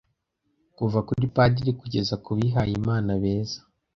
kuva kuri padiri kugeza kubihayimana beza